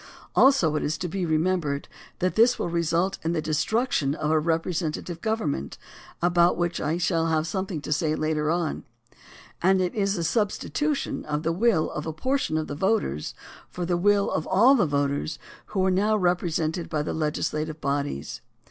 Also it is to be remembered that this will result in the destruction of representative government, about which I shall have something to say later on, and it is the substitution of the will of a portion of the voters for the will of all the voters who are now represented by the legislative bodies.